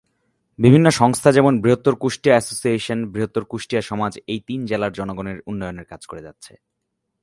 বিভিন্ন সংস্থা যেমন: "বৃহত্তর কুষ্টিয়া এসোসিয়েশন", "বৃহত্তর কুষ্টিয়া সমাজ" এই তিন জেলার জনগনের উন্নয়নে কাজ করে যাচ্ছে।